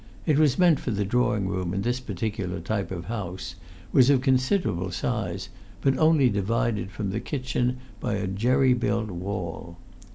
It was meant for the drawing room in this particular type of house, was of considerable size, but only divided from the kitchen by a jerry built wall.